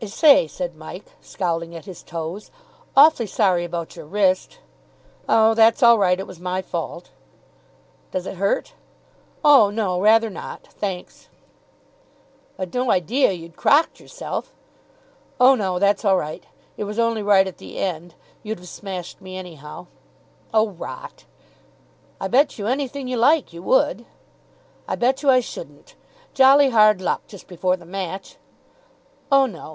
"I say," said Mike, scowling at his toes, "awfully sorry about your wrist." "Oh, that's all right. It was my fault." "Does it hurt?" "Oh, no, rather not, thanks." "I'd no idea you'd crocked yourself." "Oh, no, that's all right. It was only right at the end. You'd have smashed me anyhow." "Oh, rot." "I bet you anything you like you would." "I bet you I shouldn't.... Jolly hard luck, just before the match." "Oh, no....